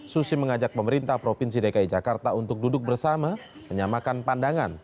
susi mengajak pemerintah provinsi dki jakarta untuk duduk bersama menyamakan pandangan